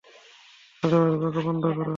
আজেবাজে বকা বন্ধ কর!